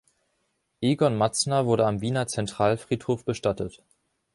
Egon Matzner wurde am Wiener Zentralfriedhof bestattet.